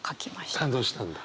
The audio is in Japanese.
感動したんだ？